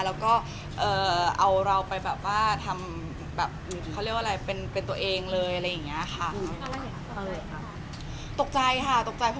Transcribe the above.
แล้วก็เอาเราไปแบบว่าทำพูดอย่างเค้าเรียกอะไรเป็นตัวเองอะไรอย่างนี้ค่ะ